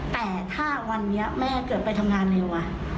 แต่ถ้าวันนี้แม่เกิดไปทำงานเร็ววัน